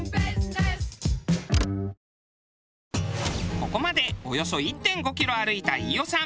ここまでおよそ１．５キロ歩いた飯尾さん。